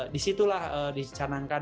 di situlah dicanangkan